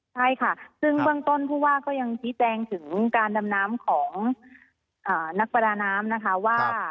ใช่ค่ะซึ่งเบื้องต้นผู้ว่าก็ยังชี้แจงถึงการดำน้ำของนักประดาน้ำนะคะว่า